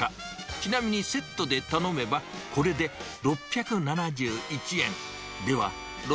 ちなみに、セットで頼めばこれで６７１円。